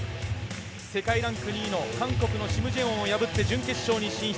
世界ランク２位の韓国の選手を破って準決勝に進出。